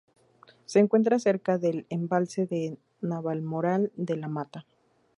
Se encuentra cerca del embalse de Navalmoral de la Mata.